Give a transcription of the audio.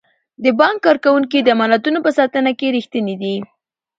د بانک کارکوونکي د امانتونو په ساتنه کې ریښتیني دي.